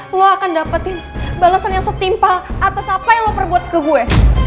lo akan dapetin balesan yang setimpal atas apa yang lo perbuat ke gue